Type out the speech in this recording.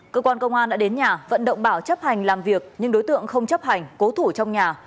cơ quan công an đã đến nhà vận động bảo chấp hành làm việc nhưng đối tượng không chấp hành cố thủ trong nhà